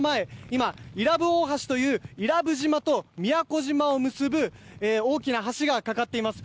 今、伊良部大橋という伊良部島と宮古島を結ぶ大きな橋が架かっています。